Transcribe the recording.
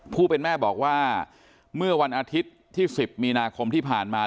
ผู้เป็นแม่บอกว่าเมื่อวันอาทิตย์ที่๑๐มีนาคมที่ผ่านมา